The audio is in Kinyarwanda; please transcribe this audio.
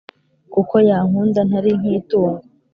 Kuko yankunda ntari nkitungo